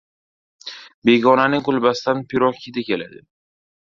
• Begonaning kulbasidan pirog hidi keladi.